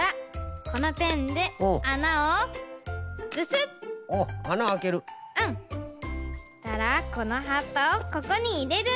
そしたらこのはっぱをここにいれる。